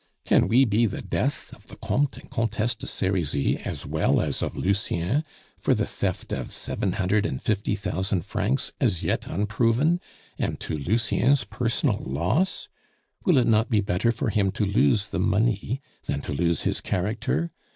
"Can we be the death of the Comte and Comtesse de Serizy, as well as of Lucien, for the theft of seven hundred and fifty thousand francs as yet unproven, and to Lucien's personal loss? Will it not be better for him to lose the money than to lose his character?